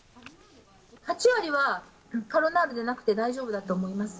８割はカロナールじゃなくて大丈夫だと思います。